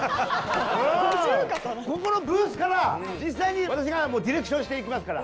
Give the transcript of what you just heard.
ここのブースから実際に私がディレクションしていきますから。